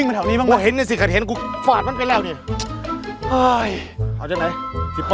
ไม่มีอะไรทั้งนั้นน้องป่อ